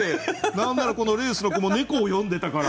何ならこの「レース」の句も猫を詠んでたから。